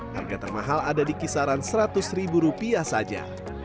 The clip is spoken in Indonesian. harga termahal ada di kisaran seratus ribu rupiah saja